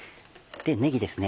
ねぎですね。